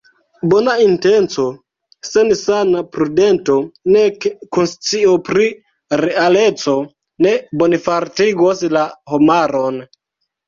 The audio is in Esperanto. Bona intenco sen sana prudento, nek konscio pri realeco, ne bonfartigos la homaron.